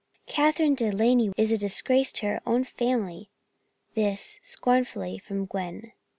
"Kathryn De Laney is a disgrace to her family." This, scornfully, from Gwen.